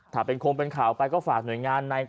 ถ้าเป็นคงเป็นข่าวไปก็ฝากหน่วยงานใน